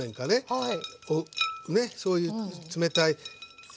はい。